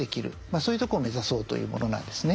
そういうとこを目指そうというものなんですね。